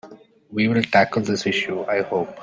We will tackle this issue, I hope.